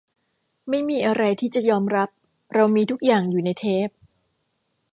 ไม่มีอะไรที่จะยอมรับ เรามีทุกอย่างอยู่ในเทป